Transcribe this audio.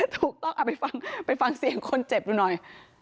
ถูกต้องเอาไปฟังเสียงคนเจ็บดูหน่อย